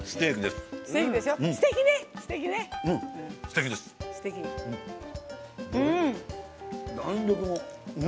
すてきね！